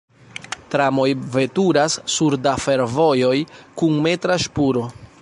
Tramoj veturas sur da fervojoj kun metra ŝpuro.